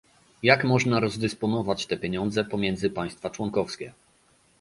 jak można rozdysponować te pieniądze pomiędzy państwa członkowskie